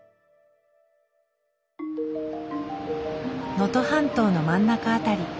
能登半島の真ん中辺り。